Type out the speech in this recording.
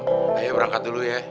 pok alam ayo berangkat dulu ya